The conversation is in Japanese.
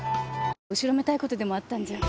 「後ろめたいことでもあったんじゃ？」